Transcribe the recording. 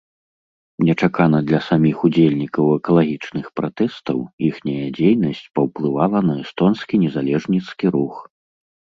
Нечакана для саміх удзельнікаў экалагічных пратэстаў, іхняя дзейнасць паўплывала на эстонскі незалежніцкі рух.